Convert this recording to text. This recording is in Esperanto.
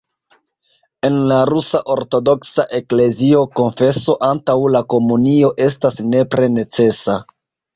En la Rusa Ortodoksa Eklezio konfeso antaŭ la komunio estas nepre necesa.